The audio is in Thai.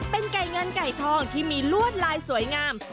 เป็นไก่เงินไก่ทองที่มีลวดลายสวยงาม